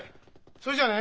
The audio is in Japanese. それじゃあね。